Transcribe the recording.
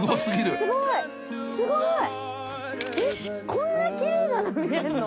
こんな奇麗なの見れるの？